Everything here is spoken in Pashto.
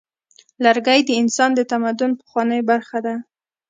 لرګی د انسان د تمدن پخوانۍ برخه ده.